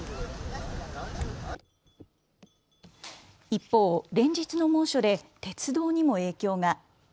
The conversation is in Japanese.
一方、連日の猛暑で鉄道にも影響が。